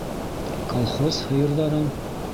Колхоз һыйырҙарын?!